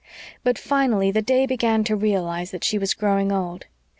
But finally the day began to realise that she was growing old.